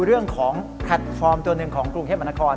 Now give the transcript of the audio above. เรื่องของแพลตฟอร์มตัวหนึ่งของกรุงเทพมนาคม